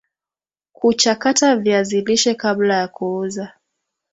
kuchakata viazi lishe kabla ya kuuza